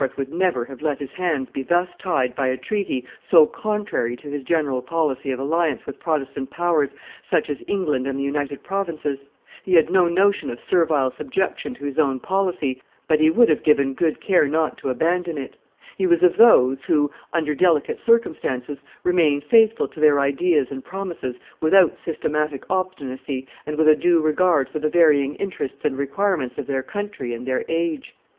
would never have let his hands be thus tied by a treaty so contrary to his general policy of alliance with Protestant powers, such as England and the United Provinces; he had no notion of servile subjection to his own policy, but he would have taken good care not to abandon it; he was of those, who, under delicate circumstances, remain faithful to their ideas and promises without systematic obstinacy and with a due regard for the varying interests and requirements of their country and their age.